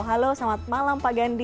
halo selamat malam pak gandhi